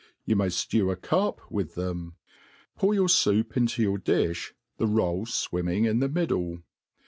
You may ftew 9 carp with then ; pour your foup into your dilb, the roll fwinmtng in the middle.